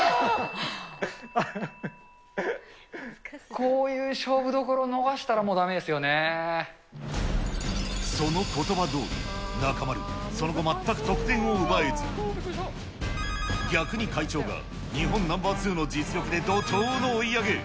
こういう勝負どころ逃したら、そのことばどおり、中丸、その後全く得点を奪えず、逆に会長が、日本ナンバー２の実力で怒とうの追い上げ。